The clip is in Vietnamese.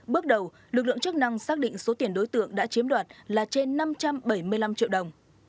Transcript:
bước đầu lực lượng chức năng xác định số tiền đối tượng đã chiếm đoạt là trên năm trăm bảy mươi năm triệu đồng